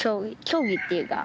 競技っていうか。